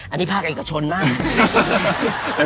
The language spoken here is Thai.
อันนี้ภาคเอกชนมาก